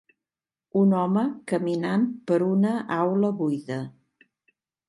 Un home caminant per una aula buida